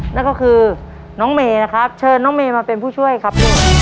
นั่นก็คือน้องเมย์นะครับเชิญน้องเมย์มาเป็นผู้ช่วยครับ